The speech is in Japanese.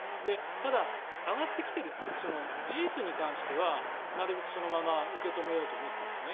ただ上がってきている事実に関してはなるべくそのまま受け止めようと思っているんです。